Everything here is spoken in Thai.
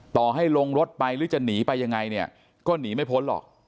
ต่อให้ลงรถไปหรือจะหนีไปยังไงเนี่ยก็หนีไม่พ้นหรอก